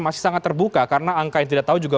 masih sangat terbuka karena angka yang tidak tahu juga